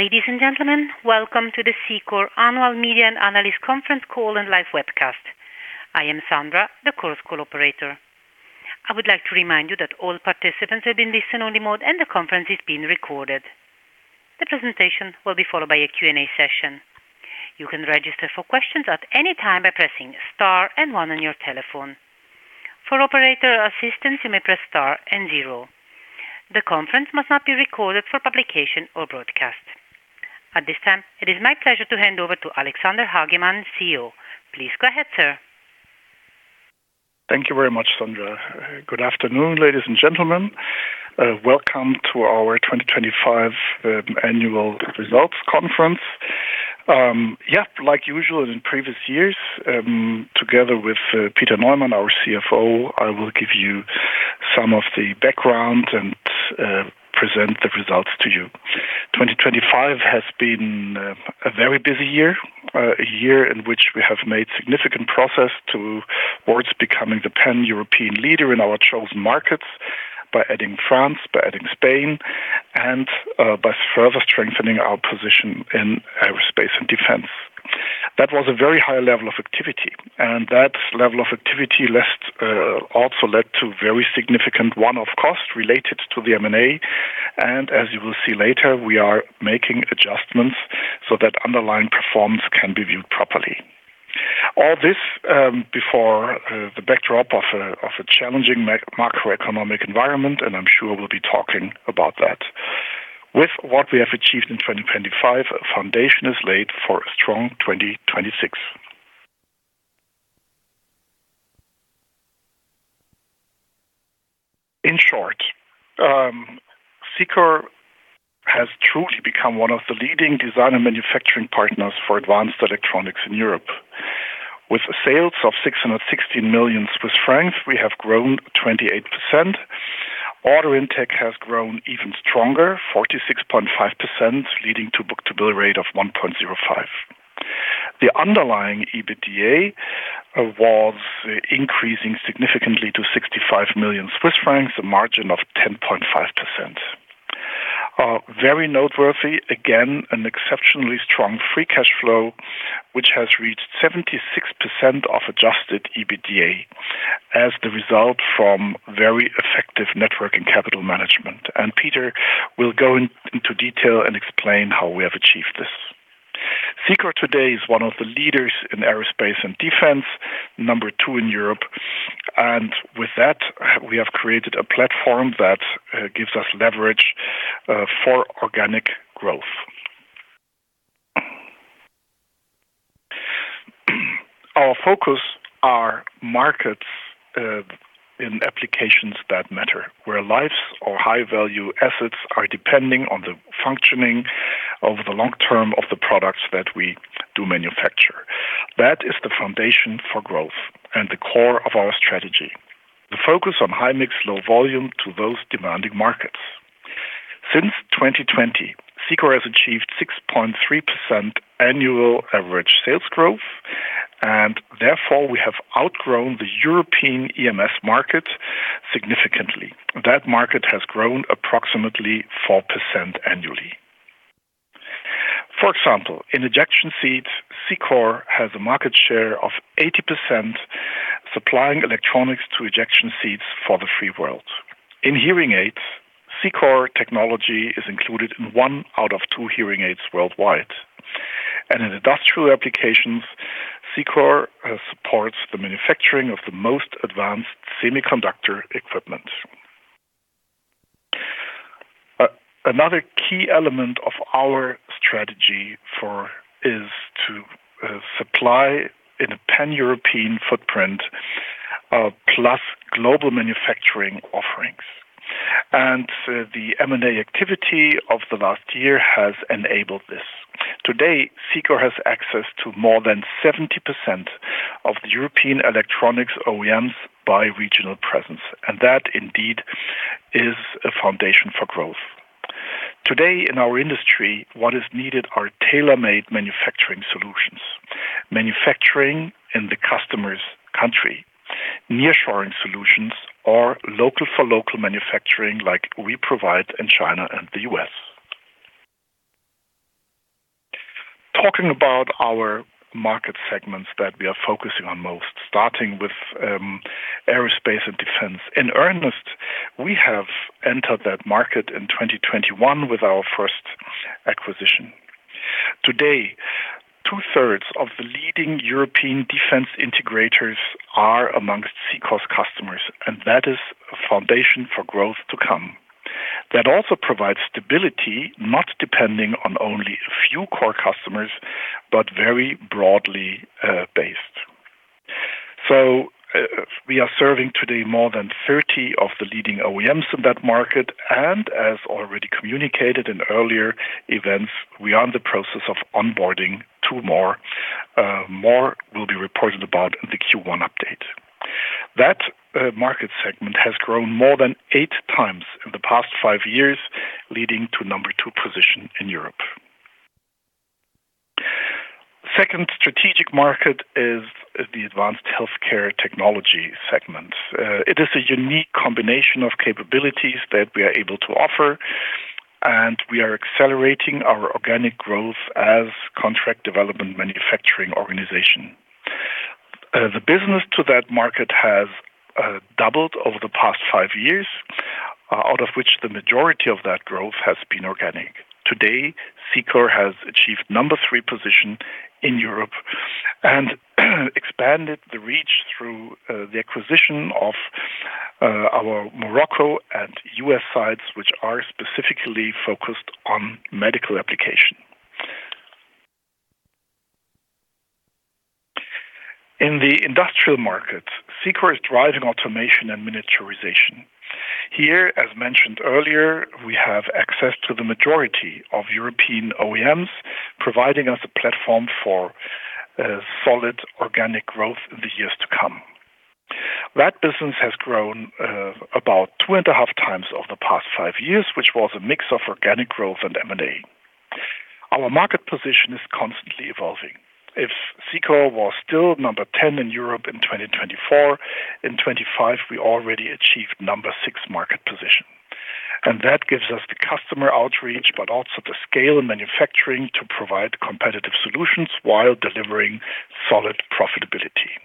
Ladies and gentlemen, welcome to the Cicor Annual Media and Analyst Conference Call and Live Webcast. I am Sandra, the Chorus Call operator. I would like to remind you that all participants have been listen-only mode and the conference is being recorded. The presentation will be followed by a Q&A session. You can register for questions at any time by pressing star one on your telephone. For operator assistance, you may press star zero. The conference must not be recorded for publication or broadcast. At this time, it is my pleasure to hand over to Alexander Hagemann, CEO. Please go ahead, sir. Thank you very much, Sandra. Good afternoon, ladies and gentlemen. Welcome to our 2025 Annual Results Conference. Yeah, like usual in previous years, together with Peter Neumann, our CFO, I will give you some of the background and present the results to you. 2025 has been a very busy year, a year in which we have made significant progress towards becoming the Pan-European leader in our chosen markets by adding France, by adding Spain, and by further strengthening our position in aerospace and defense. That was a very high level of activity, and that level of activity also led to very significant one-off costs related to the M&A. As you will see later, we are making adjustments so that underlying performance can be viewed properly. All this before the backdrop of a challenging macroeconomic environment. I'm sure we'll be talking about that. With what we have achieved in 2025, a foundation is laid for a strong 2026. In short, Cicor has truly become one of the leading design and manufacturing partners for advanced electronics in Europe. With sales of 660 million Swiss francs, we have grown 28%. Order intake has grown even stronger, 46.5%, leading to book-to-bill rate of 1.05. The underlying EBITDA was increasing significantly to 65 million Swiss francs, a margin of 10.5%. Very noteworthy, again, an exceptionally strong free cash flow, which has reached 76% of Adjusted EBITDA as the result from very effective network and capital management. Peter will go into detail and explain how we have achieved this. Cicor today is one of the leaders in aerospace and defense, number two in Europe. With that, we have created a platform that gives us leverage for organic growth. Our focus are markets in applications that matter, where lives or high-value assets are depending on the functioning of the long term of the products that we do manufacture. That is the foundation for growth and the core of our strategy. The focus on high mix, low volume to those demanding markets. Since 2020, Cicor has achieved 6.3% annual average sales growth, and therefore we have outgrown the European EMS market significantly. That market has grown approximately 4% annually. For example, in ejection seats, Cicor has a market share of 80% supplying electronics to ejection seats for the free world. In hearing aids, Cicor technology is included in one out of two hearing aids worldwide. In industrial applications, Cicor supports the manufacturing of the most advanced semiconductor equipment. Another key element of our strategy for is to supply in a Pan-European footprint plus global manufacturing offerings. The M&A activity of the last year has enabled this. Today, Cicor has access to more than 70% of the European electronics OEMs by regional presence, that indeed is a foundation for growth. Today in our industry, what is needed are tailor-made manufacturing solutions, manufacturing in the customer's country, nearshoring solutions or local for local manufacturing like we provide in China and the US. Talking about our market segments that we are focusing on most, starting with aerospace and defense. In earnest, we have entered that market in 2021 with our first acquisition. Today, 2/3 of the leading European defense integrators are amongst Cicor customers, that is a foundation for growth to come. That also provides stability, not depending on only a few core customers, but very broadly based. We are serving today more than 30 of the leading OEMs in that market, as already communicated in earlier events, we are in the process of onboarding two more. More will be reported about in the Q1 update. That market segment has grown more than eight times in the past five years, leading to number two position in Europe. Second strategic market is the advanced healthcare technology segment. It is a unique combination of capabilities that we are able to offer, and we are accelerating our organic growth as contract development manufacturing organization. The business to that market has doubled over the past five years, out of which the majority of that growth has been organic. Today, Cicor has achieved number three position in Europe and expanded the reach through the acquisition of our Morocco and U.S. sites, which are specifically focused on medical application. In the industrial market, Cicor is driving automation and miniaturization. Here, as mentioned earlier, we have access to the majority of European OEMs, providing us a platform for solid organic growth in the years to come. That business has grown about 2.5 times over the past five years, which was a mix of organic growth and M&A. Our market position is constantly evolving. If Cicor was still number 10 in Europe in 2024, in 2025, we already achieved number six market position. That gives us the customer outreach, but also the scale and manufacturing to provide competitive solutions while delivering solid profitability.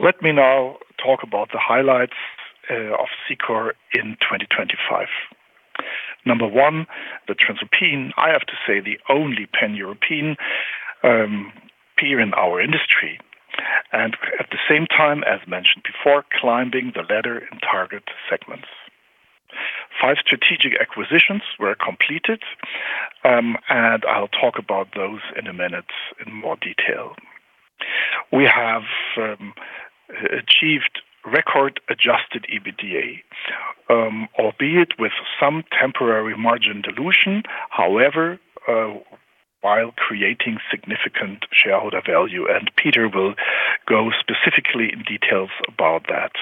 Let me now talk about the highlights of Cicor in 2025. Number one, the trans-European, I have to say, the only pan-European peer in our industry. At the same time, as mentioned before, climbing the ladder in target segments. Five strategic acquisitions were completed, and I'll talk about those in a minute in more detail. We have achieved record-adjusted EBITDA, albeit with some temporary margin dilution. However, while creating significant shareholder value, and Peter will go specifically in details about that.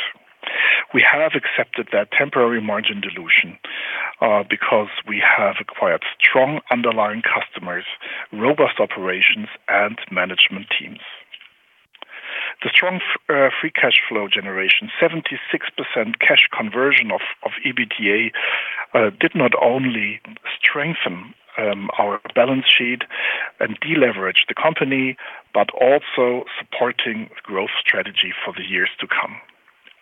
We have accepted that temporary margin dilution because we have acquired strong underlying customers, robust operations, and management teams. The strong free cash flow generation, 76% cash conversion of EBITDA, did not only strengthen our balance sheet and deleverage the company, but also supporting growth strategy for the years to come.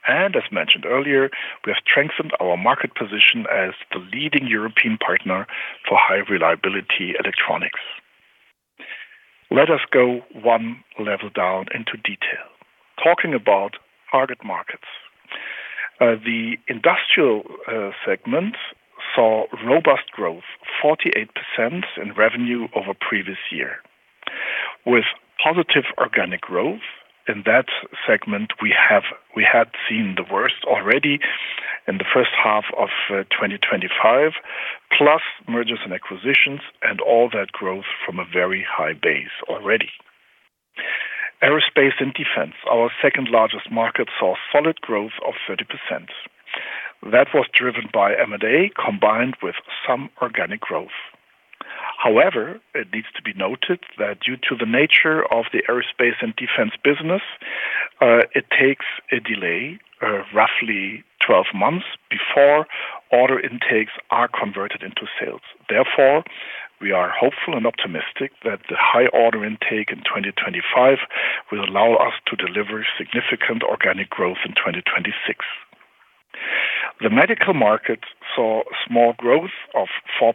As mentioned earlier, we have strengthened our market position as the leading European partner for high reliability electronics. Let us go one level down into detail. Talking about target markets. The industrial segment saw robust growth, 48% in revenue over previous year. With positive organic growth, in that segment we had seen the worst already in the first half of 2025, plus mergers and acquisitions and all that growth from a very high base already. Aerospace and defense, our second-largest market, saw solid growth of 30%. That was driven by M&A, combined with some organic growth. However, it needs to be noted that due to the nature of the aerospace and defense business, it takes a delay of roughly 12 months before order intakes are converted into sales. We are hopeful and optimistic that the high order intake in 2025 will allow us to deliver significant organic growth in 2026. The medical market saw a small growth of 4%.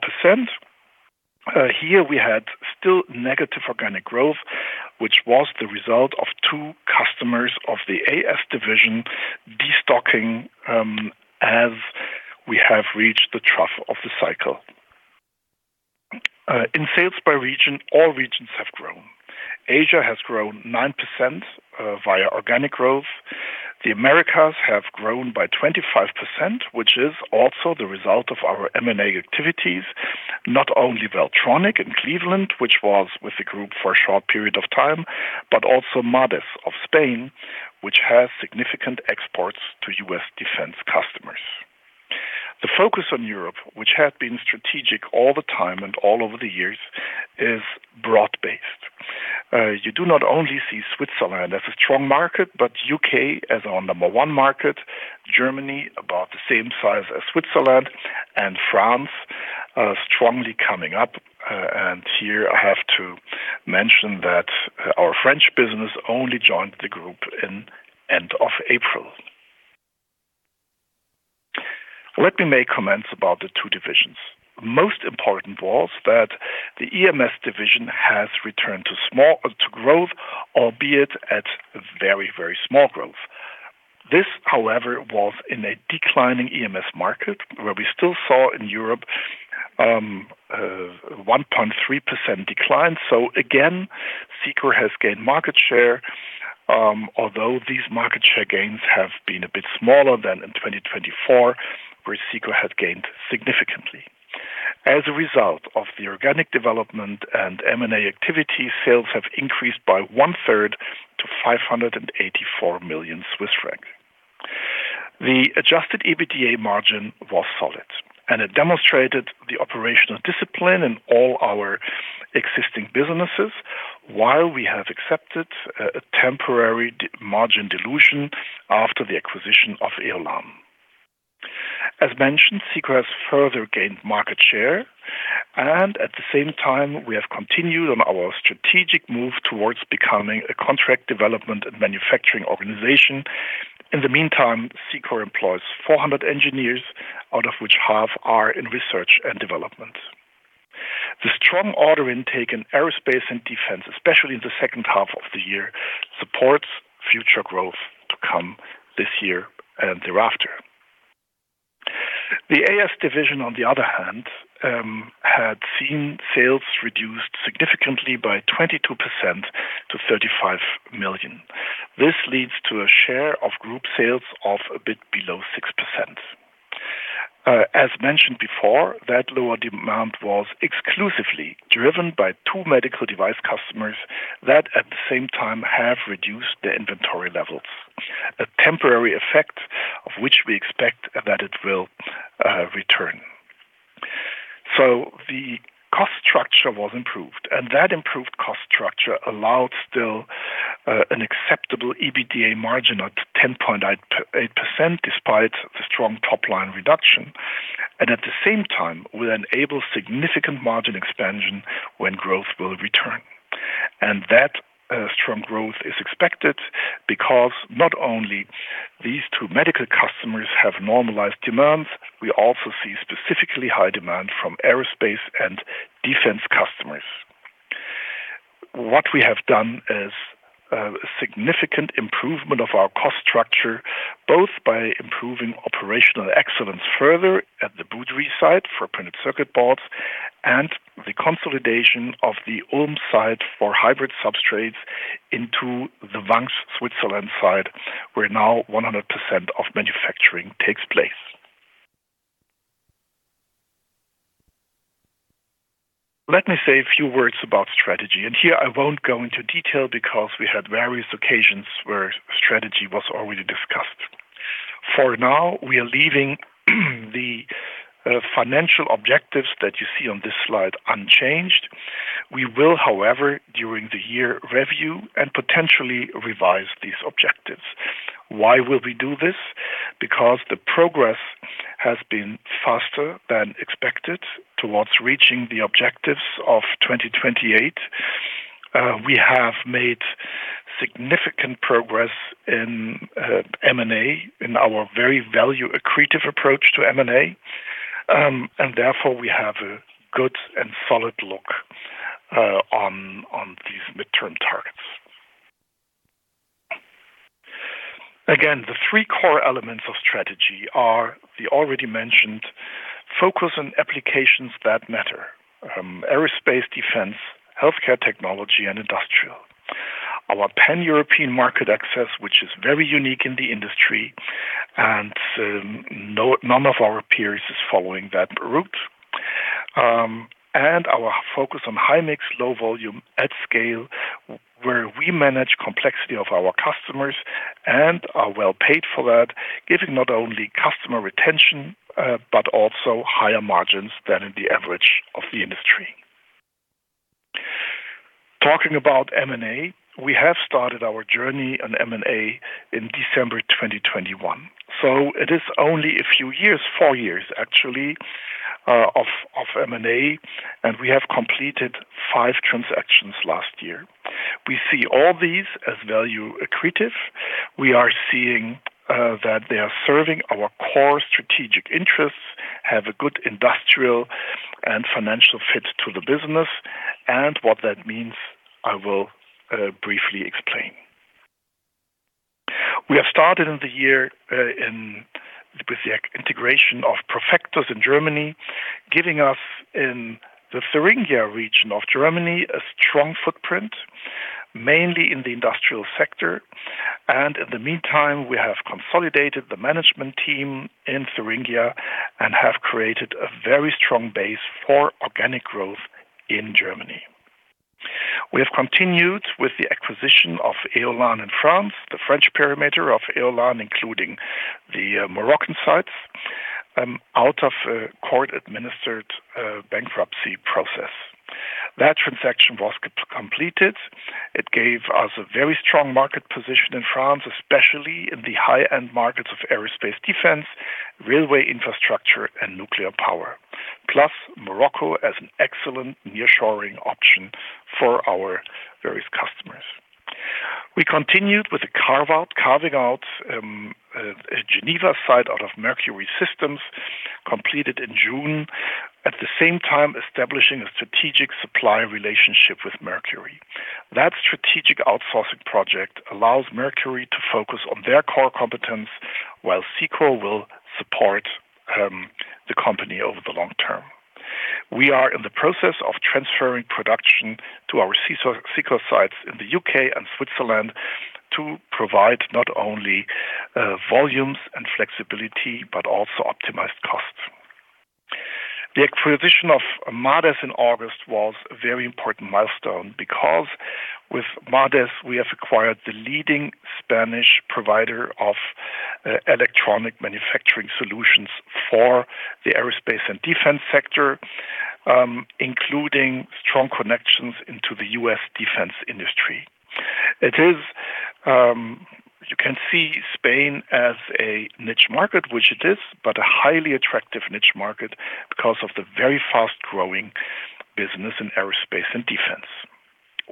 Here we had still negative organic growth, which was the result of two customers of the AS division destocking, as we have reached the trough of the cycle. In sales by region, all regions have grown. Asia has grown 9% via organic growth. The Americas have grown by 25%, which is also the result of our M&A activities, not only Valtronic in Cleveland, which was with the group for a short period of time, but also MADES of Spain, which has significant exports to U.S. defense customers. The focus on Europe, which had been strategic all the time and all over the years, is broad-based. You do not only see Switzerland as a strong market, but U.K. as our number one market, Germany, about the same size as Switzerland, and France, strongly coming up. Here I have to mention that our French business only joined the group in end of April. Let me make comments about the 2 divisions. Most important was that the EMS division has returned to growth, albeit at very, very small growth. This, however, was in a declining EMS market, where we still saw in Europe, a 1.3% decline. Again, Cicor has gained market share, although these market share gains have been a bit smaller than in 2024, where Cicor had gained significantly. As a result of the organic development and M&A activity, sales have increased by 1/3 to 584 million Swiss francs. The Adjusted EBITDA margin was solid, and it demonstrated the operational discipline in all our existing businesses, while we have accepted a temporary margin dilution after the acquisition of Éolane. As mentioned, Cicor has further gained market share, and at the same time, we have continued on our strategic move towards becoming a contract development and manufacturing organization. In the meantime, Cicor employs 400 engineers, out of which half are in research and development. The strong order intake in aerospace and defense, especially in the second half of the year, supports future growth to come this year and thereafter. The AS division on the other hand, had seen sales reduced significantly by 22% to 35 million. This leads to a share of group sales of a bit below 6%. As mentioned before, that lower demand was exclusively driven by two medical device customers that at the same time have reduced their inventory levels, a temporary effect of which we expect that it will return. The cost structure was improved, and that improved cost structure allowed still an acceptable EBITDA margin of 10.8% despite the strong top line reduction, and at the same time, will enable significant margin expansion when growth will return. That strong growth is expected because not only these two medical customers have normalized demands, we also see specifically high demand from aerospace and defense customers. What we have done is a significant improvement of our cost structure, both by improving operational excellence further at the Boudry site for printed circuit boards and the consolidation of the Ulm site for hybrid substrates into the Wangs, Switzerland site, where now 100% of manufacturing takes place. Let me say a few words about strategy, here I won't go into detail because we had various occasions where strategy was already discussed. For now, we are leaving the financial objectives that you see on this slide unchanged. We will, however, during the year review and potentially revise these objectives. Why will we do this? Because the progress has been faster than expected towards reaching the objectives of 2028. We have made significant progress in M&A, in our very value accretive approach to M&A, therefore, we have a good and solid look on these midterm targets. Again, the three core elements of strategy are the already mentioned focus on applications that matter. Aerospace, defense, healthcare, technology and industrial. Our pan-European market access, which is very unique in the industry, none of our peers is following that route. Our focus on high mix, low volume at scale, where we manage complexity of our customers and are well paid for that, giving not only customer retention, but also higher margins than in the average of the industry. Talking about M&A, we have started our journey on M&A in December 2021. It is only a few years, four years actually, of M&A, and we have completed 5 transactions last year. We see all these as value accretive. We are seeing that they are serving our core strategic interests, have a good industrial and financial fit to the business, and what that means, I will briefly explain. We have started in the year in with the integration of Profectus in Germany, giving us in the Thuringia region of Germany a strong footprint, mainly in the industrial sector. In the meantime, we have consolidated the management team in Thuringia and have created a very strong base for organic growth in Germany. We have continued with the acquisition of Éolane in France, the French perimeter of Éolane, including the Moroccan sites, out of a court-administered bankruptcy process. That transaction was completed. It gave us a very strong market position in France, especially in the high-end markets of aerospace defense, railway infrastructure and nuclear power, plus Morocco as an excellent nearshoring option for our various customers. We continued with the carve-out, carving out a Geneva site out of Mercury Systems, completed in June, at the same time establishing a strategic supply relationship with Mercury. That strategic outsourcing project allows Mercury to focus on their core competence, while Cicor will support the company over the long term. We are in the process of transferring production to our Cicor sites in the U.K. and Switzerland to provide not only volumes and flexibility, but also optimized costs. The acquisition of MADES in August was a very important milestone because with MADES, we have acquired the leading Spanish provider of electronic manufacturing solutions for the aerospace and defense sector, including strong connections into the U.S. defense industry. It is, you can see Spain as a niche market, which it is, but a highly attractive niche market because of the very fast-growing business in aerospace and defense.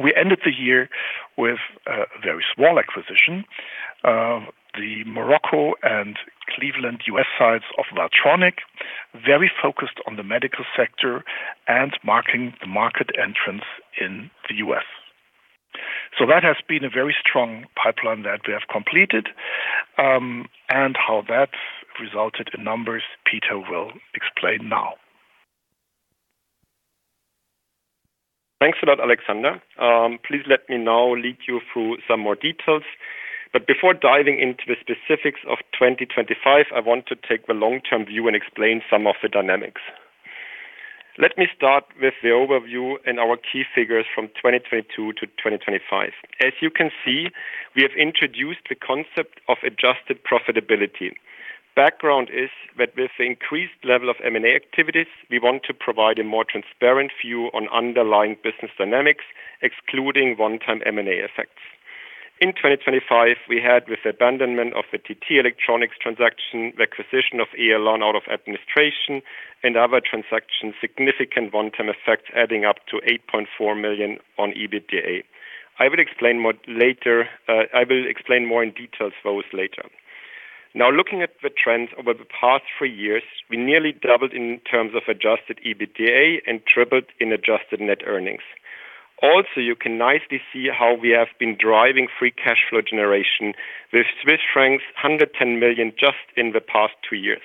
We ended the year with a very small acquisition of the Morocco and Cleveland, U.S. sites of Valtronic, very focused on the medical sector and marking the market entrance in the U.S. That has been a very strong pipeline that we have completed, and how that's resulted in numbers, Peter will explain now. Thanks a lot, Alexander. Please let me now lead you through some more details. Before diving into the specifics of 2025, I want to take the long-term view and explain some of the dynamics. Let me start with the overview and our key figures from 2022 - 2025. As you can see, we have introduced the concept of adjusted profitability. Background is that with the increased level of M&A activities, we want to provide a more transparent view on underlying business dynamics, excluding one-time M&A effects. In 2025, we had, with the abandonment of the TT Electronics transaction, the acquisition of Éolane out of administration and other transactions, significant one-time effects adding up to 8.4 million on EBITDA. I will explain more in detail those later. Now, looking at the trends over the past three years, we nearly doubled in terms of Adjusted EBITDA and tripled in adjusted net earnings. You can nicely see how we have been driving free cash flow generation with Swiss francs 110 million just in the past two years.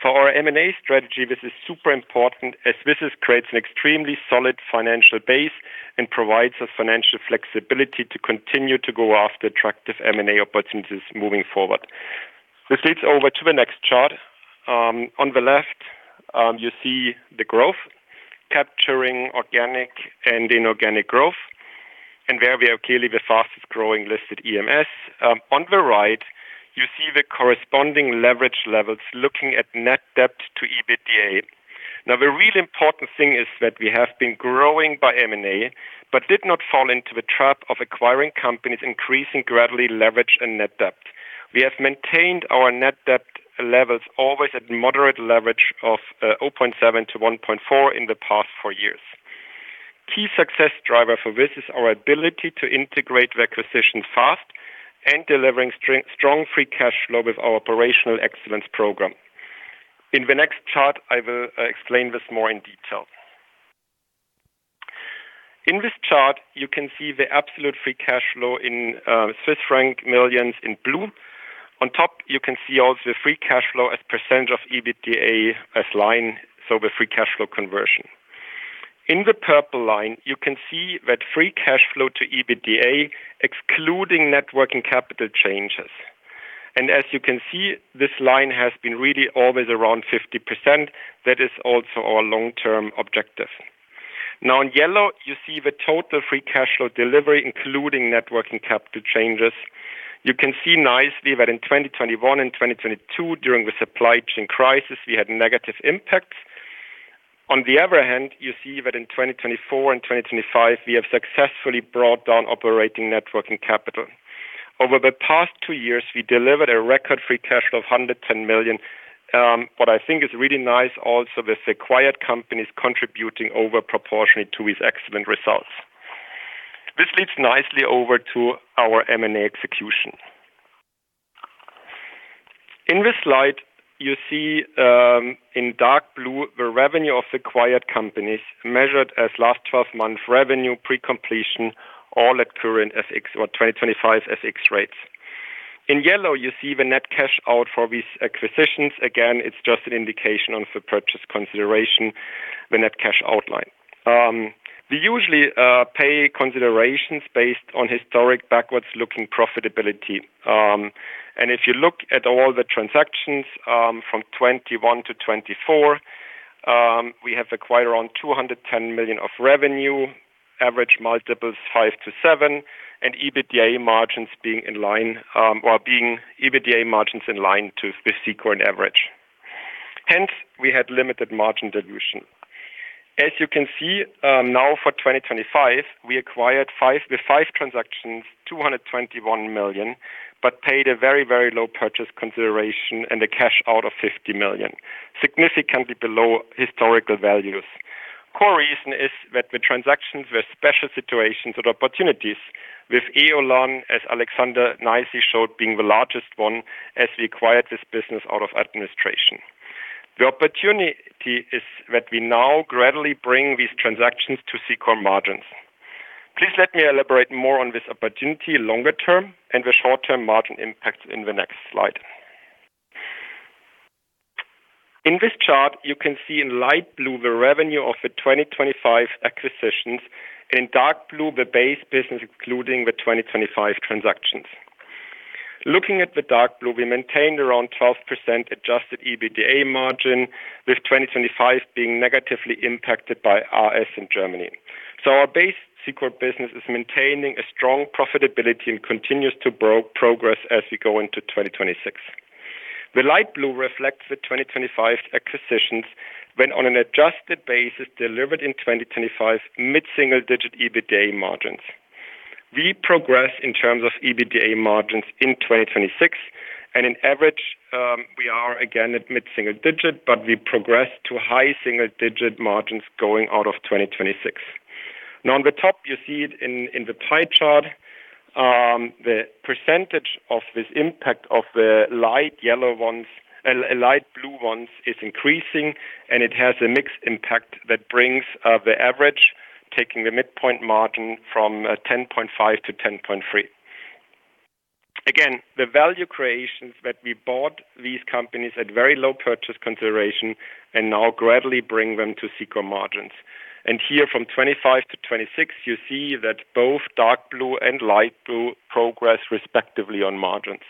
For our M&A strategy, this is super important as this creates an extremely solid financial base and provides us financial flexibility to continue to go after attractive M&A opportunities moving forward. This leads over to the next chart. On the left, you see the growth capturing organic and inorganic growth. There we are clearly the fastest-growing listed EMS. On the right, you see the corresponding leverage levels looking at net debt to EBITDA. The really important thing is that we have been growing by M&A but did not fall into the trap of acquiring companies increasing gradually leverage and net debt. We have maintained our net debt levels always at moderate leverage of 0.7-1.4 in the past four years. Key success driver for this is our ability to integrate the acquisition fast and delivering strong free cash flow with our operational excellence program. In the next chart, I will explain this more in detail. In this chart, you can see the absolute free cash flow in Swiss franc millions in blue. On top, you can see also the free cash flow as % of EBITDA as line, so the free cash flow conversion. In the purple line, you can see that free cash flow to EBITDA excluding net working capital changes. As you can see, this line has been really always around 50%. That is also our long-term objective. Now, in yellow, you see the total free cash flow delivery, including net working capital changes. You can see nicely that in 2021 and 2022, during the supply chain crisis, we had negative impacts. On the other hand, you see that in 2024 and 2025, we have successfully brought down operating net working capital. Over the past two years, we delivered a record free cash flow of 110 million. What I think is really nice also with the acquired companies contributing over-proportionately to these excellent results. This leads nicely over to our M&A execution. In this slide, you see, in dark blue, the revenue of acquired companies measured as last 12 months revenue pre-completion, all at current FX or 2025 FX rates. In yellow, you see the net cash out for these acquisitions. Again, it's just an indication on the purchase consideration, the net cash outline. We usually pay considerations based on historic backwards-looking profitability. If you look at all the transactions from 2021 - 2024, we have acquired around 210 million of revenue, average multiples 5x-7x, and EBITDA margins being in line, or EBITDA margins in line to the Cicor average. Hence, we had limited margin dilution. As you can see, now for 2025, we acquired with five transactions, 221 million, paid a very, very low purchase consideration and a cash out of 50 million, significantly below historical values. Core reason is that the transactions were special situations or opportunities with Éolane, as Alexander nicely showed, being the largest one as we acquired this business out of administration. The opportunity is that we now gradually bring these transactions to Cicor margins. Please let me elaborate more on this opportunity longer term and the short-term margin impacts in the next slide. In this chart, you can see in light blue the revenue of the 2025 acquisitions. In dark blue, the base business, including the 2025 transactions. Looking at the dark blue, we maintained around 12% Adjusted EBITDA margin, with 2025 being negatively impacted by RS in Germany. Our base Cicor business is maintaining a strong profitability and continues to progress as we go into 2026. The light blue reflects the 2025 acquisitions when on an adjusted basis, delivered in 2025 mid-single-digit EBITDA margins. We progress in terms of EBITDA margins in 2026 and in average, we are again at mid-single-digit %, but we progress to high single-digit % margins going out of 2026. On the top, you see it in the pie chart, the percentage of this impact of the light blue ones is increasing, and it has a mixed impact that brings the average, taking the midpoint margin from 10.5% - 10.3%. The value creations that we bought these companies at very low purchase consideration and now gradually bring them to Cicor margins. Here, from 2025 - 2026, you see that both dark blue and light blue progress respectively on margins.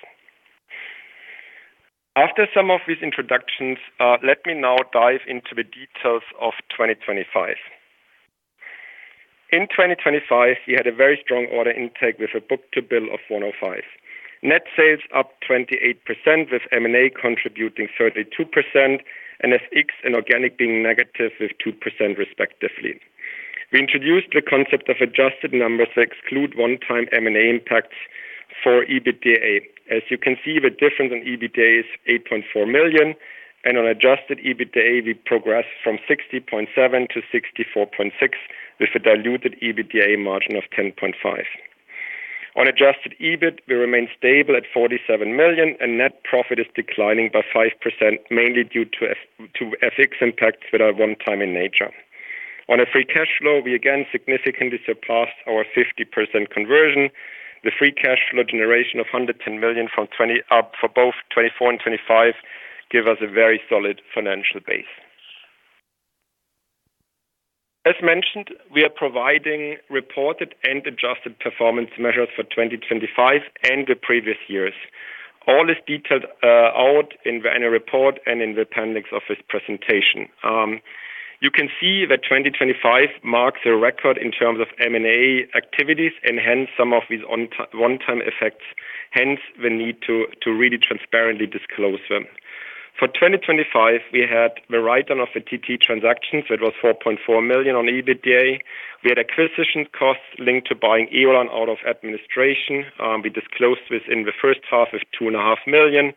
After some of these introductions, let me now dive into the details of 2025. In 2025, we had a very strong order intake with a book-to-bill of 105. Net sales up 28%, with M&A contributing 32% and FX and organic being negative with 2% respectively. We introduced the concept of adjusted numbers that exclude one-time M&A impacts for EBITDA. As you can see, the difference in EBITDA is 8.4 million, and on Adjusted EBITDA, we progress from 60.7 million to 64.6 million, with a diluted EBITDA margin of 10.5%. On Adjusted EBIT, we remain stable at 47 million, and net profit is declining by 5%, mainly due to FX impacts that are one time in nature. On a free cash flow, we again significantly surpassed our 50% conversion. The free cash flow generation of 110 million for both 2024 and 2025 give us a very solid financial base. As mentioned, we are providing reported and adjusted performance measures for 2025 and the previous years. All is detailed out in the annual report and in the appendix of this presentation. You can see that 2025 marks a record in terms of M&A activities and hence some of these one-time effects, hence the need to really transparently disclose them. For 2025, we had the write-down of the TT transactions. It was 4.4 million on EBITDA. We had acquisition costs linked to buying Éolane out of administration. We disclosed this in the first half of 2.5 million.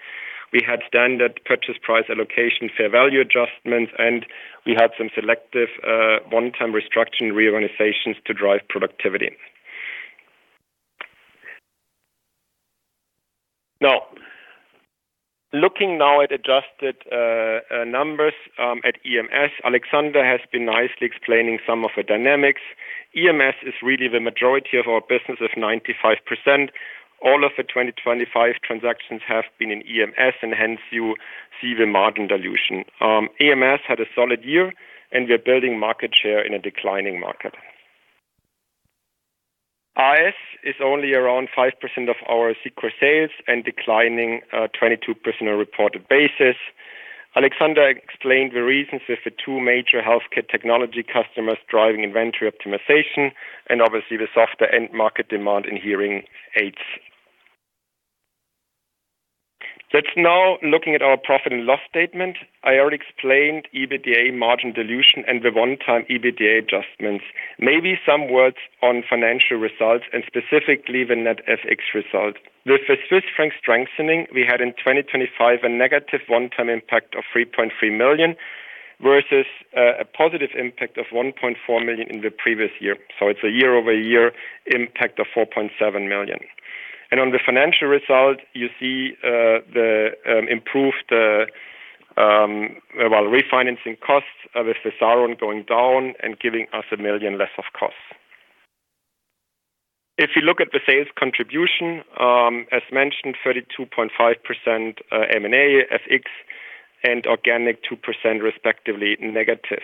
We had standard purchase price allocation, fair value adjustments, and we had some selective, one-time restructuring reorganizations to drive productivity. Looking now at adjusted numbers, at EMS, Alexander has been nicely explaining some of the dynamics. EMS is really the majority of our business, is 95%. All of the 2025 transactions have been in EMS and hence you see the margin dilution. EMS had a solid year, and we are building market share in a declining market. AS is only around 5% of our Cicor sales and declining, 22% on a reported basis. Alexander explained the reasons with the two major healthcare technology customers driving inventory optimization and obviously the softer end market demand in hearing aids. Let's now looking at our profit and loss statement. I already explained EBITDA margin dilution and the one-time EBITDA adjustments. Maybe some words on financial results and specifically the net FX result. With the Swiss franc strengthening, we had in 2025 a negative one-time impact of 3.3 million versus a positive impact of 1.4 million in the previous year. It's a year-over-year impact of 4.7 million. On the financial result, you see the well, refinancing costs with the SARON going down and giving us 1 million less of costs. If you look at the sales contribution, as mentioned, 32.5%, M&A, FX and organic 2% respectively negative.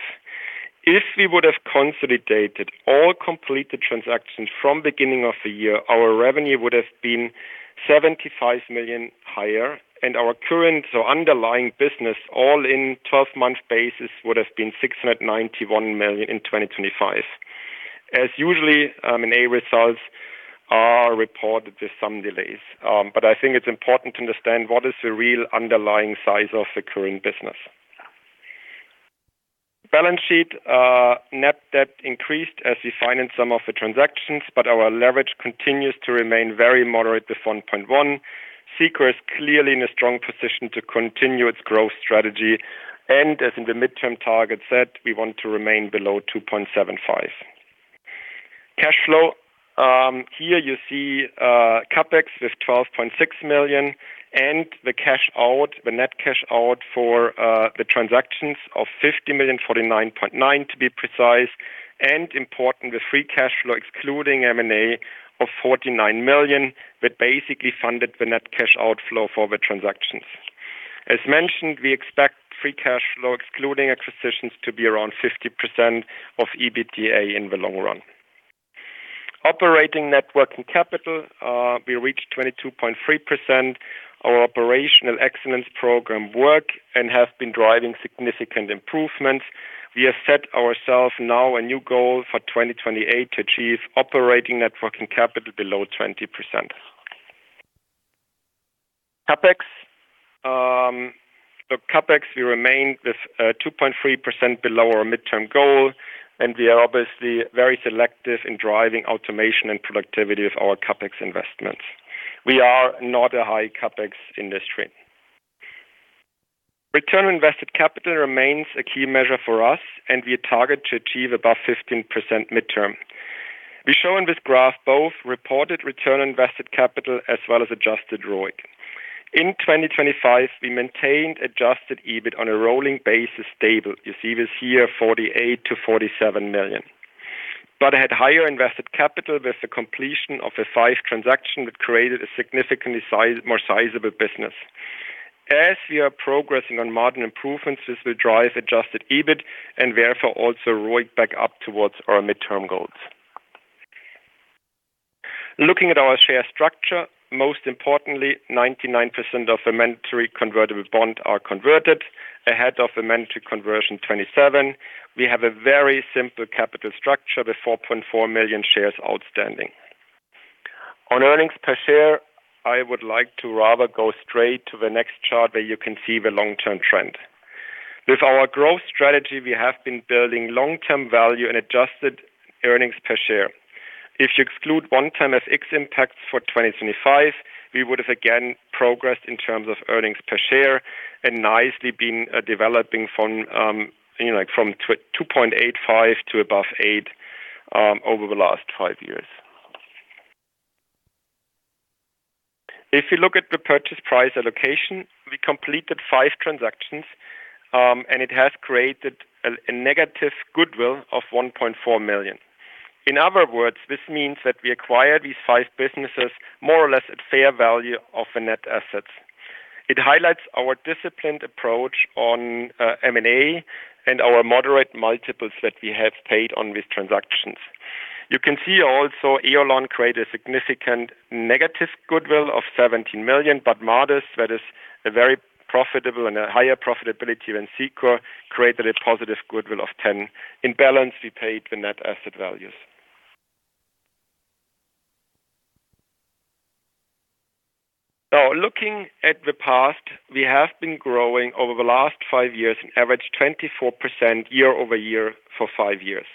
If we would have consolidated all completed transactions from beginning of the year, our revenue would have been 75 million higher and our current or underlying business all in twelve-month basis would have been 691 million in 2025. As usually, M&A results are reported with some delays. I think it's important to understand what is the real underlying size of the current business. Balance sheet, net debt increased as we financed some of the transactions, our leverage continues to remain very moderate with 1.1. Cicor is clearly in a strong position to continue its growth strategy, as in the midterm target set, we want to remain below 2.75. Cash flow. Here you see CapEx with 12.6 million and the cash out, the net cash out for the transactions of 50 million, 49.9 million to be precise. Important, the free cash flow excluding M&A of 49 million, that basically funded the net cash outflow for the transactions. As mentioned, we expect free cash flow excluding acquisitions to be around 50% of EBITDA in the long run. Operating net working capital, we reached 22.3%. Our operational excellence program work and have been driving significant improvements. We have set ourselves now a new goal for 2028 to achieve operating net working capital below 20%. CapEx. The CapEx, we remain with 2.3% below our midterm goal, and we are obviously very selective in driving automation and productivity of our CapEx investments. We are not a high CapEx industry. Return on invested capital remains a key measure for us, and we target to achieve above 15% midterm. We show in this graph both reported return on invested capital as well as adjusted ROIC. In 2025, we maintained adjusted EBIT on a rolling basis stable. You see this here, 48 million-47 million. Had higher invested capital with the completion of the five transaction that created a significantly more sizable business. As we are progressing on margin improvements, this will drive Adjusted EBIT and therefore also ROIC back up towards our midterm goals. Looking at our share structure, most importantly, 99% of the mandatory convertible bond are converted ahead of the mandatory conversion 27. We have a very simple capital structure with 4.4 million shares outstanding. On earnings per share, I would like to rather go straight to the next chart where you can see the long-term trend. With our growth strategy, we have been building long-term value and adjusted earnings per share. If you exclude one-time FX impacts for 2025, we would have again progressed in terms of earnings per share and nicely been developing from 2.85 to above 8 over the last five years. If you look at the purchase price allocation, we completed five transactions, it has created a negative goodwill of 1.4 million. In other words, this means that we acquired these five businesses more or less at fair value of the net assets. It highlights our disciplined approach on M&A and our moderate multiples that we have paid on these transactions. You can see also Éolane created a significant negative goodwill of 17 million, MADES, that is a very profitable and a higher profitability than Cicor, created a positive goodwill of 10. In balance, we paid the net asset values. Now, looking at the past, we have been growing over the last five years, an average 24% year-over-year for five years.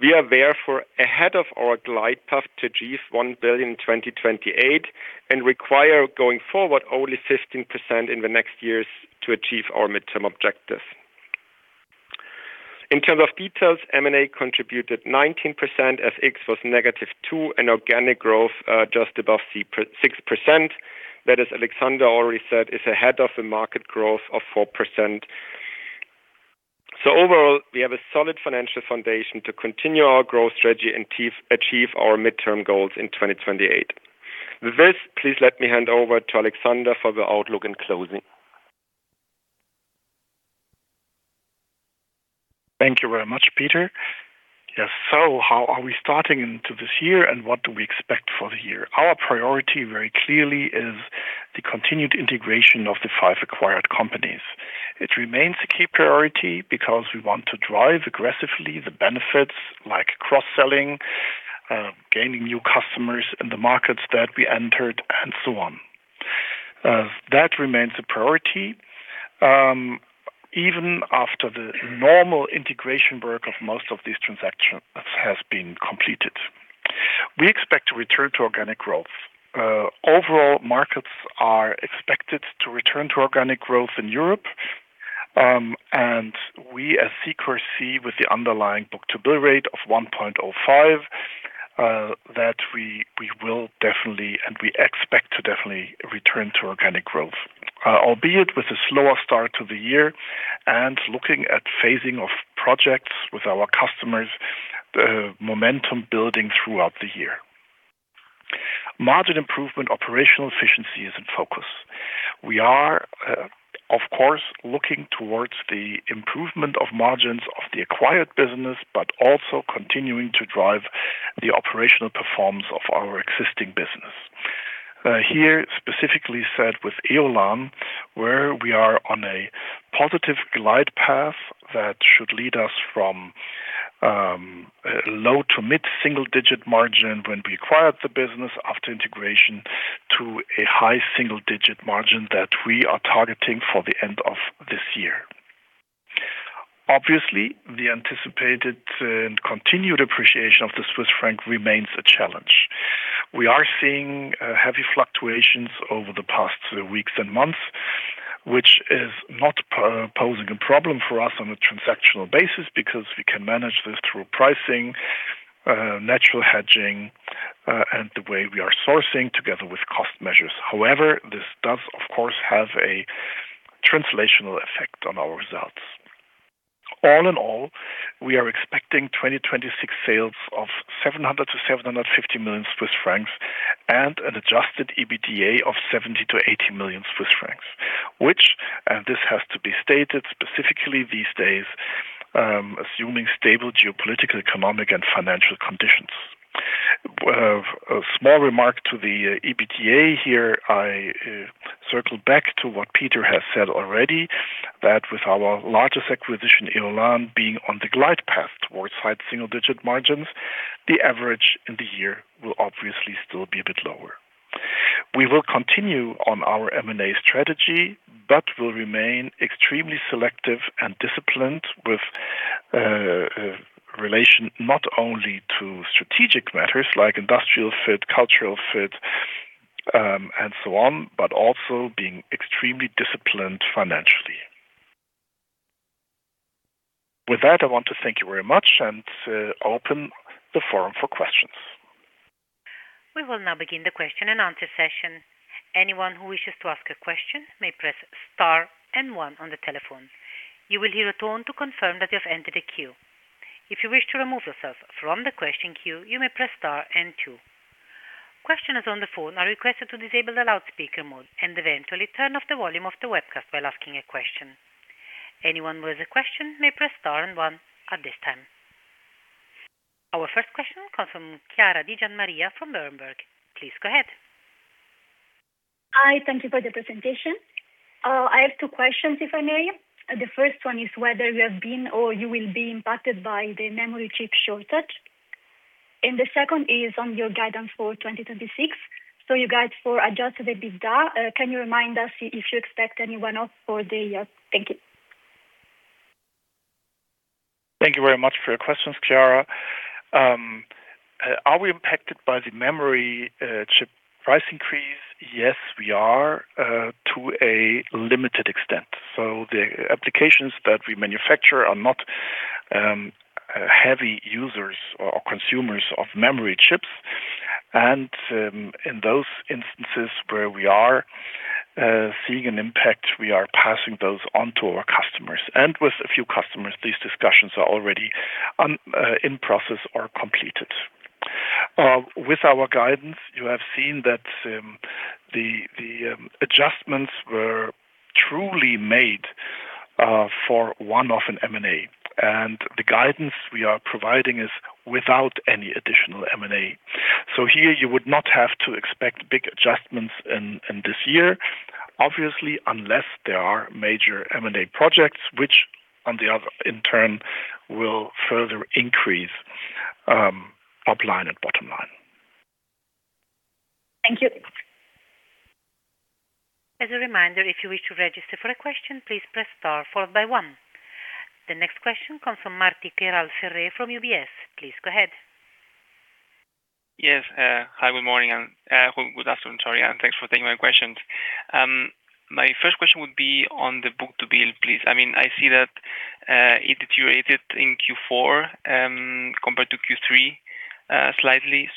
We are therefore ahead of our glide path to achieve 1 billion in 2028 and require going forward only 15% in the next years to achieve our midterm objective. In terms of details, M&A contributed 19%, FX was -2%, and organic growth, just above 6%. That, as Alexander already said, is ahead of the market growth of 4%. Overall, we have a solid financial foundation to continue our growth strategy and achieve our midterm goals in 2028. With this, please let me hand over to Alexander for the outlook and closing. Thank you very much, Peter. Yes. How are we starting into this year, and what do we expect for the year? Our priority, very clearly, is the continued integration of the five acquired companies. It remains a key priority because we want to drive aggressively the benefits like cross-selling, gaining new customers in the markets that we entered, and so on. That remains a priority, even after the normal integration work of most of these transactions has been completed. We expect to return to organic growth. Overall, markets are expected to return to organic growth in Europe, and we, as Cicor, with the underlying book-to-bill rate of 1.05, that we will definitely, and we expect to definitely return to organic growth, albeit with a slower start to the year and looking at phasing of projects with our customers, the momentum building throughout the year. Margin improvement, operational efficiency is in focus. We are, of course, looking towards the improvement of margins of the acquired business, but also continuing to drive the operational performance of our existing business. Here, specifically said with Éolane, where we are on a positive glide path that should lead us from low to mid-single-digit margin when we acquired the business after integration to a high single-digit margin that we are targeting for the end of this year. Obviously, the anticipated and continued appreciation of the Swiss franc remains a challenge. We are seeing heavy fluctuations over the past weeks and months, which is not posing a problem for us on a transactional basis because we can manage this through pricing, natural hedging, and the way we are sourcing together with cost measures. However, this does of course, have a translational effect on our results. All in all, we are expecting 2026 sales of 700 million-750 million Swiss francs and an Adjusted EBITDA of 70 million-80 million Swiss francs. Which, and this has to be stated specifically these days, assuming stable geopolitical, economic, and financial conditions. A small remark to the EBITDA here, I circle back to what Peter has said already, that with our largest acquisition in Éolane being on the glide path towards high single-digit margins, the average in the year will obviously still be a bit lower. We will continue on our M&A strategy, but will remain extremely selective and disciplined with relation not only to strategic matters like industrial fit, cultural fit, and so on, but also being extremely disciplined financially. With that, I want to thank you very much and open the forum for questions. We will now begin the question and answer session. Anyone who wishes to ask a question may press star and one on the telephone. You will hear a tone to confirm that you have entered a queue. If you wish to remove yourself from the question queue, you may press star and two. Questioners on the phone are requested to disable the loudspeaker mode and eventually turn off the volume of the webcast while asking a question. Anyone with a question may press star and one at this time. Our first question comes from Chiara Di Giammaria from Berenberg. Please go ahead. Hi. Thank you for the presentation. I have two questions, if I may? The first one is whether you have been or you will be impacted by the memory chip shortage. The second is on your guidance for 2026. You guide for Adjusted EBITDA. Can you remind us if you expect any one-off for the year? Thank you. Thank you very much for your questions, Chiara. Are we impacted by the memory chip price increase? Yes, we are to a limited extent. The applications that we manufacture are not heavy users or consumers of memory chips. In those instances where we are seeing an impact, we are passing those on to our customers. With a few customers, these discussions are already in process or completed. With our guidance, you have seen that the adjustments were truly made for one-off in M&A. The guidance we are providing is without any additional M&A. Here you would not have to expect big adjustments in this year, obviously, unless there are major M&A projects, which on the other in turn will further increase top line and bottom line. Thank you. As a reminder, if you wish to register for a question, please press star followed by one. The next question comes from Marta Queralt Ferré from UBS. Please go ahead. Hi, good morning, and good afternoon, sorry, and thanks for taking my questions. My first question would be on the book-to-bill, please. I mean, I see that it deteriorated in Q4, compared to Q3, slightly.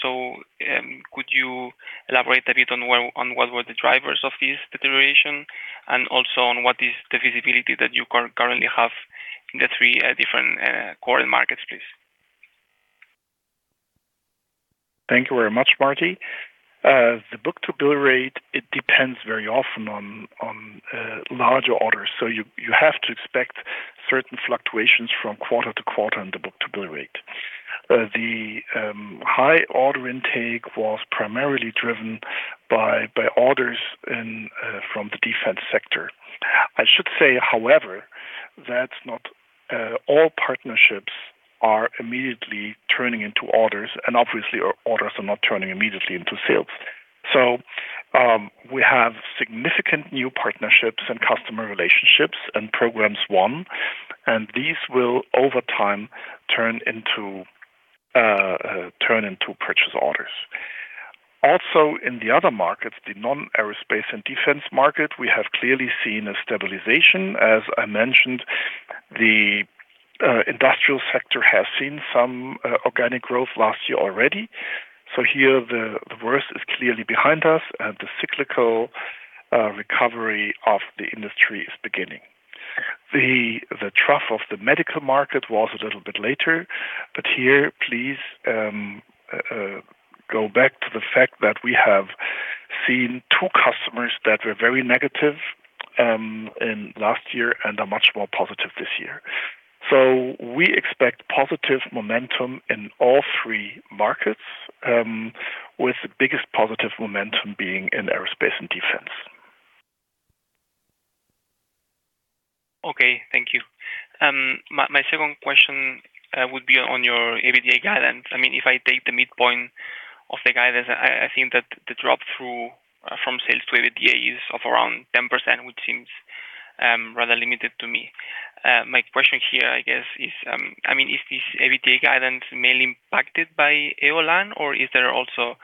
Could you elaborate a bit on what were the drivers of this deterioration and also on what is the visibility that you currently have in the 3 different core markets, please? Thank you very much, Marti. The book-to-bill rate, it depends very often on larger orders. You have to expect certain fluctuations from quarter to quarter in the book-to-bill rate. The high order intake was primarily driven by orders from the defense sector. I should say, however, that's not all partnerships are immediately turning into orders, and obviously, orders are not turning immediately into sales. We have significant new partnerships and customer relationships and programs one, and these will, over time, turn into purchase orders. Also, in the other markets, the non-aerospace and defense market, we have clearly seen a stabilization. As I mentioned, the industrial sector has seen some organic growth last year already. Here the worst is clearly behind us, and the cyclical recovery of the industry is beginning. The, the trough of the medical market was a little bit later. Here, please, go back to the fact that we have seen two customers that were very negative in last year and are much more positive this year. We expect positive momentum in all three markets, with the biggest positive momentum being in aerospace and defense. Okay. Thank you. My second question would be on your EBITDA guidance. I mean, if I take the midpoint of the guidance, I think that the drop through from sales to EBITDA is of around 10%, which seems rather limited to me. My question here, I guess, is, I mean, is this EBITDA guidance mainly impacted by Éolane, or is there also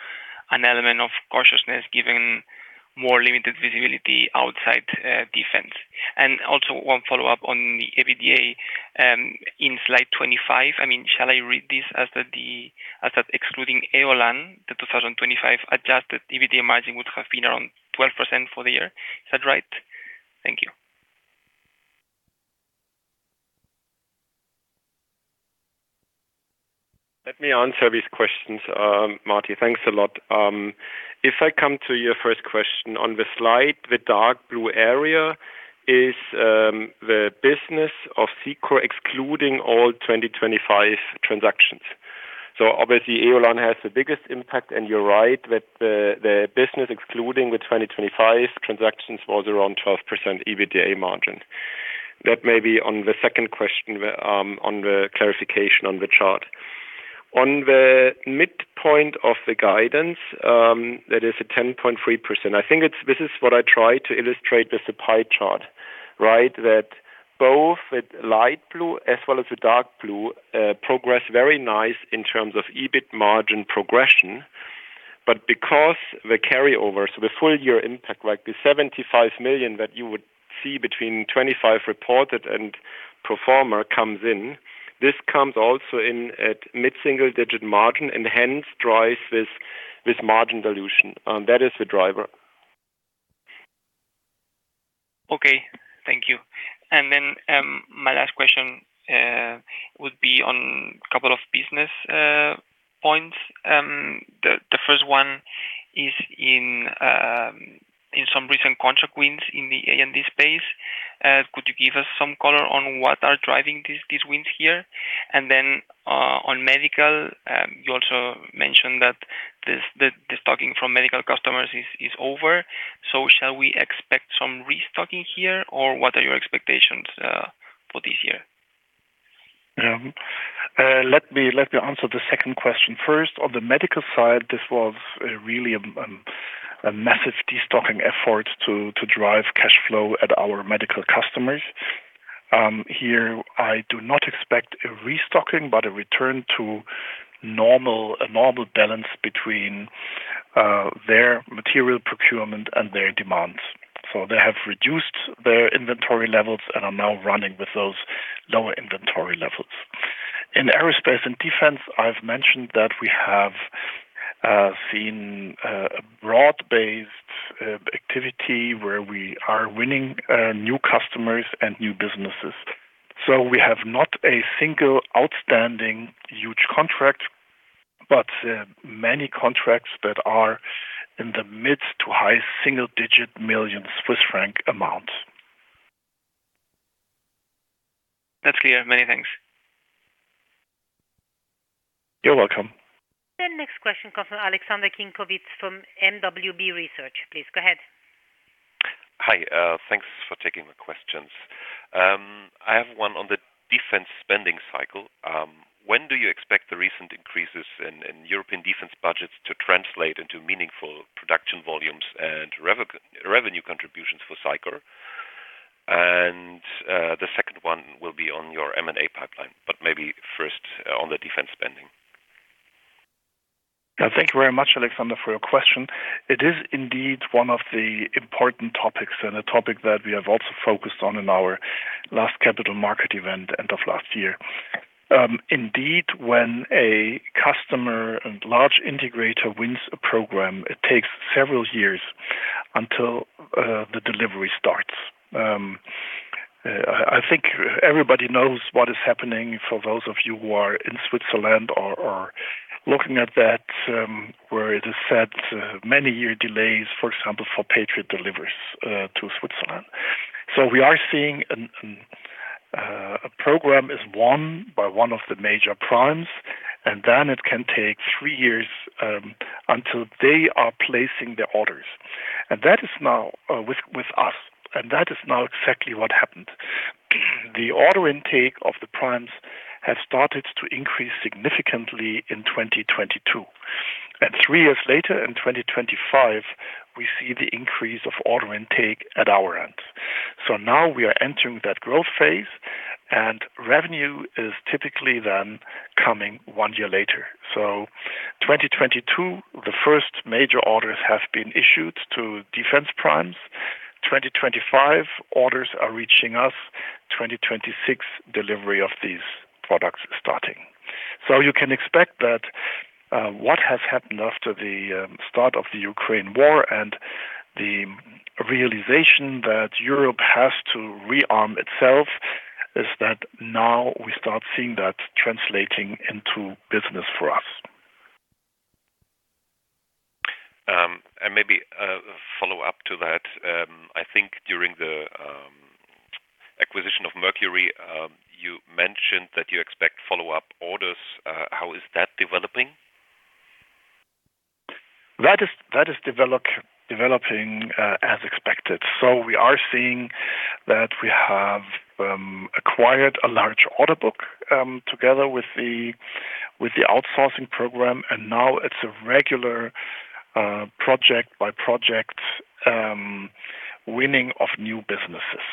an element of cautiousness given more limited visibility outside defense? One follow-up on the EBITDA, in slide 25, I mean, shall I read this as that excluding Éolane, the 2025 Adjusted EBITDA margin would have been around 12% for the year? Is that right? Thank you. Let me answer these questions, Marti. Thanks a lot. If I come to your first question, on the slide, the dark blue area is the business of Cicor excluding all 2025 transactions. Obviously, Éolane has the biggest impact, and you're right that the business excluding the 2025 transactions was around 12% EBITDA margin. That may be on the second question, on the clarification on the chart. On the midpoint of the guidance, that is a 10.3%. I think this is what I tried to illustrate with the pie chart, right? Both the light blue as well as the dark blue progress very nice in terms of EBIT margin progression. Because the carryover, so the full year impact, like the 75 million that you would see between 2025 reported and pro forma comes in, this comes also in at mid-single digit margin and hence drives this margin dilution. That is the driver. Okay. Thank you. Then, my last question would be on a couple of business points. The first one is in some recent contract wins in the A&D space. Could you give us some color on what are driving these wins here? Then, on medical, you also mentioned that the stocking from medical customers is over. Shall we expect some restocking here, or what are your expectations for this year? Let me answer the second question first. On the medical side, this was really a massive destocking effort to drive cash flow at our medical customers. Here I do not expect a restocking, but a return to a normal balance between their material procurement and their demands. They have reduced their inventory levels and are now running with those lower inventory levels. In aerospace and defense, I've mentioned that we have seen a broad-based activity where we are winning new customers and new businesses. We have not a single outstanding huge contract, but many contracts that are in the mid to high single-digit million Swiss franc amount. That's clear. Many thanks. You're welcome. The next question comes from Alexander Kinkowitz from mwb research. Please go ahead. Hi. Thanks for taking the questions. I have one on the defense spending cycle. When do you expect the recent increases in European defense budgets to translate into meaningful production volumes and revenue contributions for Cicor? The second one will be on your M&A pipeline, but maybe first on the defense spending. Thank you very much, Alexander, for your question. It is indeed one of the important topics and a topic that we have also focused on in our last capital market event end of last year. Indeed, when a customer and large integrator wins a program, it takes several years until the delivery starts. I think everybody knows what is happening for those of you who are in Switzerland or looking at that, where it is said, many year delays, for example, for Patriot deliveries to Switzerland. We are seeing a program is won by one of the major primes, and then it can take three years until they are placing their orders. That is now with us. That is now exactly what happened. The order intake of the primes has started to increase significantly in 2022. Three years later, in 2025, we see the increase of order intake at our end. Now we are entering that growth phase and revenue is typically then coming one year later. 2022, the first major orders have been issued to defense primes. 2025, orders are reaching us. 2026, delivery of these products starting. You can expect that, what has happened after the start of the Ukraine War and the realization that Europe has to rearm itself is that now we start seeing that translating into business for us. Maybe a follow-up to that. I think during the acquisition of Mercury, you mentioned that you expect follow-up orders. How is that developing? That is developing as expected. We are seeing that we have acquired a large order book together with the outsourcing program, and now it's a regular project by project winning of new businesses.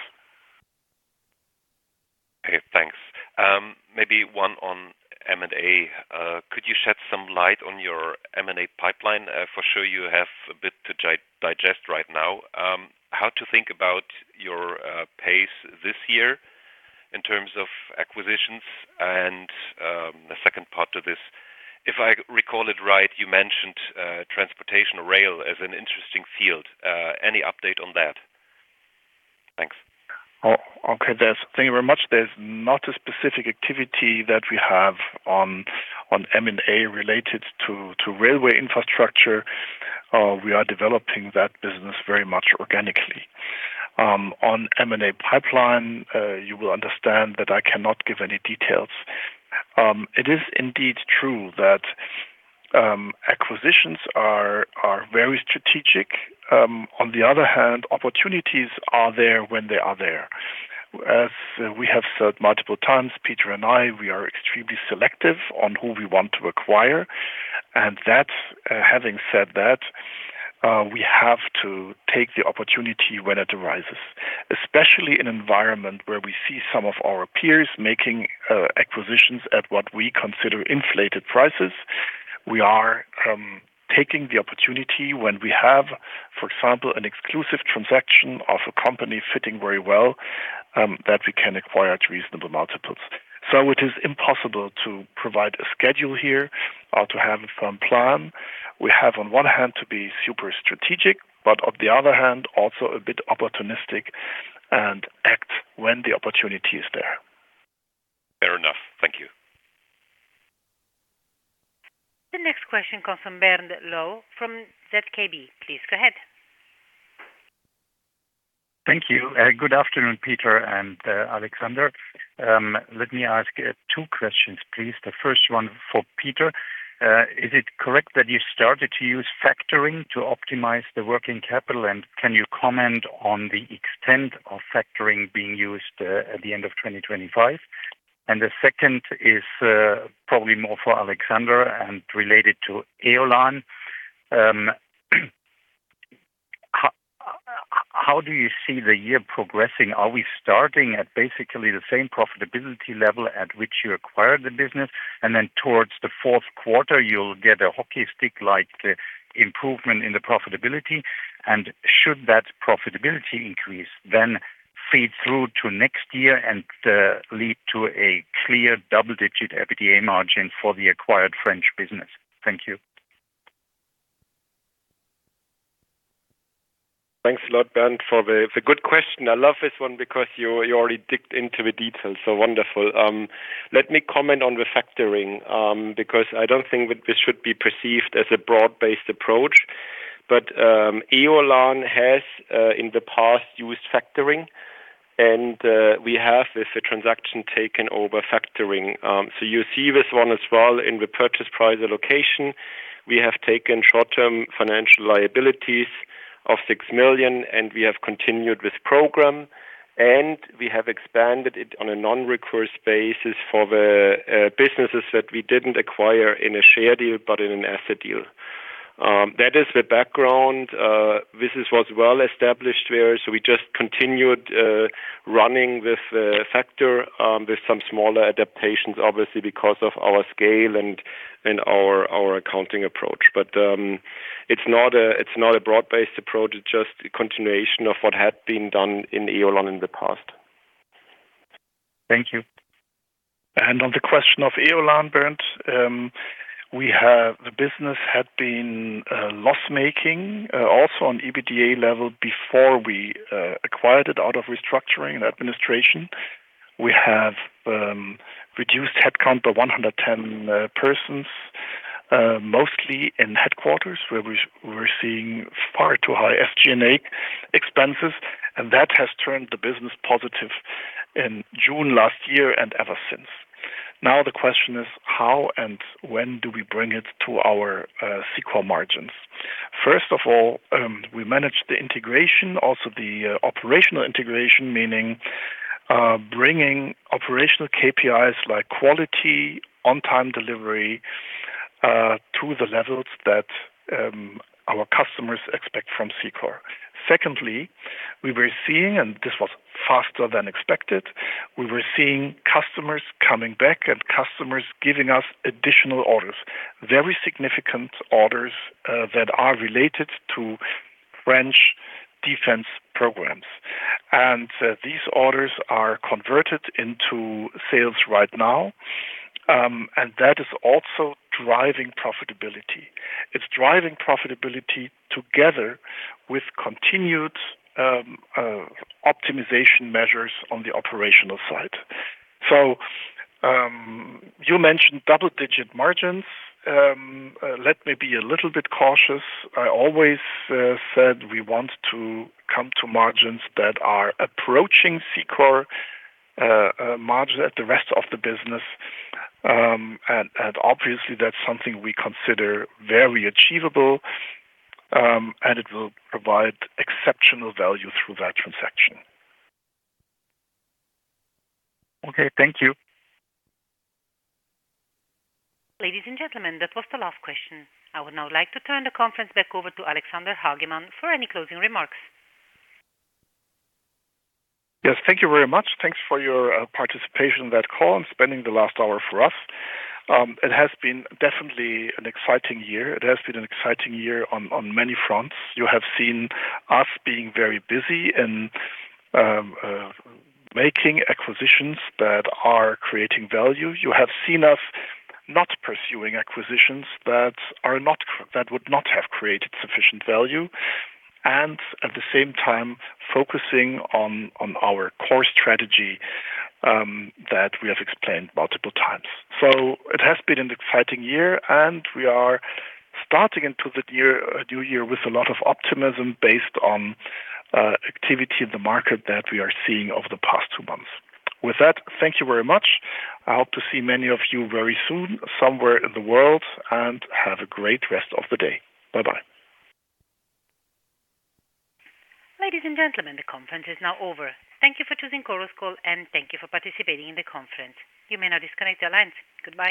Okay. Thanks. Maybe one on M&A. Could you shed some light on your M&A pipeline? For sure, you have a bit to digest right now. How to think about your pace this year in terms of acquisitions? The second part to this, if I recall it right, you mentioned transportation rail as an interesting field. Any update on that? Okay. Thank you very much. There's not a specific activity that we have on M&A related to railway infrastructure. We are developing that business very much organically. On M&A pipeline, you will understand that I cannot give any details. It is indeed true that acquisitions are very strategic. On the other hand, opportunities are there when they are there. As we have said multiple times, Peter and I, we are extremely selective on who we want to acquire. That's, having said that, we have to take the opportunity when it arises, especially in environment where we see some of our peers making acquisitions at what we consider inflated prices. We are taking the opportunity when we have, for example, an exclusive transaction of a company fitting very well that we can acquire at reasonable multiples. It is impossible to provide a schedule here or to have a firm plan. We have, on one hand, to be super strategic, but on the other hand, also a bit opportunistic and act when the opportunity is there. Fair enough. Thank you. The next question comes from Bernd Laux from ZKB. Please go ahead. Thank you. Good afternoon, Peter and Alexander. Let me ask two questions, please. The first one for Peter. Is it correct that you started to use factoring to optimize the working capital? Can you comment on the extent of factoring being used at the end of 2025? The second is probably more for Alexander and related to Éolane. How do you see the year progressing? Are we starting at basically the same profitability level at which you acquired the business, and then towards the fourth quarter, you'll get a hockey stick-like improvement in the profitability? Should that profitability increase then feed through to next year and lead to a clear double-digit EBITDA margin for the acquired French business? Thank you. Thanks a lot, Bernd, for the good question. I love this one because you already digged into the details, so wonderful. Let me comment on the factoring because I don't think that this should be perceived as a broad-based approach. Éolane has in the past used factoring, and we have with the transaction taken over factoring. You see this one as well in the purchase price allocation. We have taken short-term financial liabilities of 6 million, and we have continued this program, and we have expanded it on a non-recourse basis for the businesses that we didn't acquire in a share deal, but in an asset deal. That is the background. This is what's well-established there. We just continued running this factor with some smaller adaptations, obviously, because of our scale and our accounting approach. It's not a, it's not a broad-based approach. It's just a continuation of what had been done in Éolane in the past. Thank you. On the question of Éolane, Bernd, the business had been loss-making also on EBITDA level before we acquired it out of restructuring and administration. We have reduced headcount by 110 persons mostly in headquarters, where we're seeing far too high SG&A expenses, and that has turned the business positive in June last year and ever since. Now, the question is: How and when do we bring it to our Cicor margins? First of all, we manage the integration, also the operational integration, meaning bringing operational KPIs like quality, on-time delivery to the levels that our customers expect from Cicor. Secondly, we were seeing, and this was faster than expected, we were seeing customers coming back and customers giving us additional orders, very significant orders that are related to French defense programs. These orders are converted into sales right now, and that is also driving profitability. It's driving profitability together with continued optimization measures on the operational side. You mentioned double-digit margins. Let me be a little bit cautious. I always said we want to come to margins that are approaching Cicor margin at the rest of the business. Obviously, that's something we consider very achievable, and it will provide exceptional value through that transaction. Okay. Thank you. Ladies and gentlemen, that was the last question. I would now like to turn the conference back over to Alexander Hagemann for any closing remarks. Yes, thank you very much. Thanks for your participation in that call and spending the last hour for us. It has been definitely an exciting year. It has been an exciting year on many fronts. You have seen us being very busy and making acquisitions that are creating value. You have seen us not pursuing acquisitions that would not have created sufficient value, and at the same time, focusing on our core strategy that we have explained multiple times. It has been an exciting year, and we are starting into a new year with a lot of optimism based on activity in the market that we are seeing over the past two months. With that, thank you very much. I hope to see many of you very soon somewhere in the world, and have a great rest of the day. Bye-bye. Ladies and gentlemen, the conference is now over. Thank you for choosing Chorus Call, and thank you for participating in the conference. You may now disconnect your lines. Goodbye.